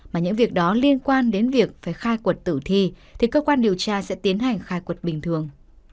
mà những việc đó liên quan đến việc phải khai quật tử thi thì cơ quan điều tra sẽ tiến hành khai quật bình thường